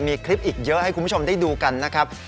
มีคลิปอีกเยอะให้คุณผู้ชมได้ดูกันนะครับ